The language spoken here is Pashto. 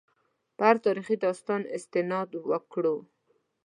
په هر تاریخي داستان استناد وکړو.